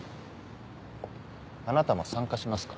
あなたも参加しますか？